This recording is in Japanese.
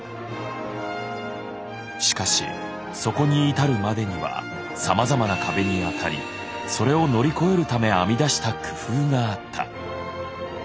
しかしそこに至るまでにはさまざまな壁に当たりそれを乗り越えるため編み出した工夫があった。